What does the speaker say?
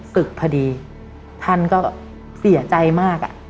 ศึกพอดีท่านก็เสียใจมาก